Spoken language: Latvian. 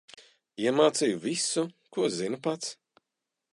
Iemācīju visu, ko zinu pats.